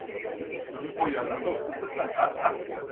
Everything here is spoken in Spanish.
Algunos diseños tenían tacones o plantillas de madera.